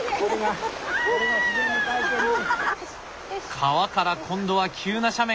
川から今度は急な斜面！